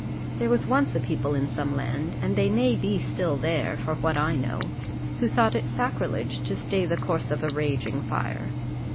There was once a people in some land and they may be still there for what I know who thought it sacrilegious to stay the course of a raging fire.